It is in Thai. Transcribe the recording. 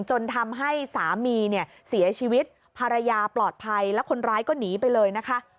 จนทำให้สามีเนี่ยเสียชีวิตภรรยาปลอดภัยแล้วคนร้ายก็หนีไปเลยนะคะ